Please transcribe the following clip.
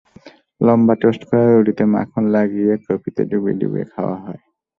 লম্বা টোস্ট করা রুটিতে মাখন লাগিয়ে কফিতে ডুবিয়ে ডুবিয়ে খাওয়া হয়।